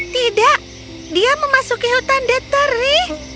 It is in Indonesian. tidak dia memasuki hutan deteri